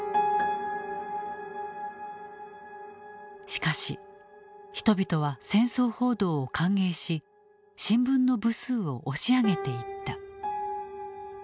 しかし人々は戦争報道を歓迎し新聞の部数を押し上げていった。